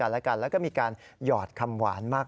นายยกรัฐมนตรีพบกับทัพนักกีฬาที่กลับมาจากโอลิมปิก๒๐๑๖